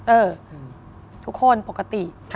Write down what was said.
เออทุกคนปกติ